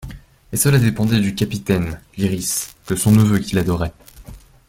Et cela dépendait du capitaine Lyrisse, de son neveu qu'il adorait.